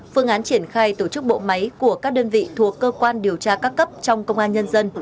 phương án triển khai tổ chức bộ máy của các đơn vị thuộc cơ quan điều tra các cấp trong công an nhân dân